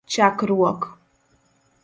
chakruok